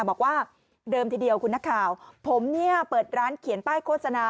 บอกว่าเดิมทีเดียวคุณนักข่าวผมเนี่ยเปิดร้านเขียนป้ายโฆษณา